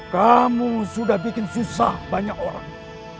kamu sudah bikin susah banyak orang